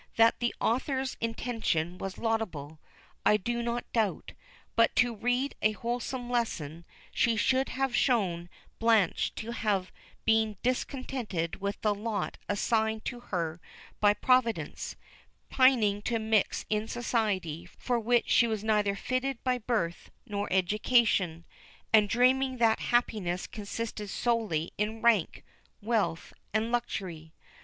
That the author's intention was laudable, I do not doubt; but to read a wholesome lesson, she should have shown Blanche to have been discontented with the lot assigned to her by Providence, pining to mix in society for which she was neither fitted by birth nor education, and dreaming that happiness consisted solely in rank, wealth, and luxury.